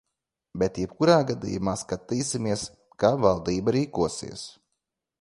Bet jebkurā gadījumā skatīsimies, kā vadība rīkosies.